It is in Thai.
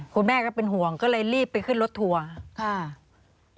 คุณแม่ก็เป็นห่วงก็เลยรีบไปขึ้นรถทัวร์